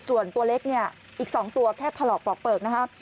ส่วนตัวเล็กเนี่ยอีก๒ตัวแค่ถลอกปลอกเปลือกนะครับ